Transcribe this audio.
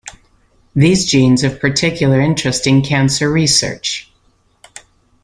These genes of particular interest in cancer research.